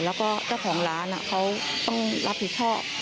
แล้วก็เจ้าของร้านเขาต้องรับผิดชอบ